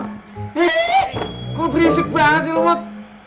ih kok berisik banget sih lo mod